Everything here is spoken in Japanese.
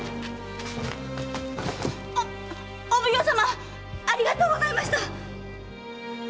おお奉行様ありがとうございました！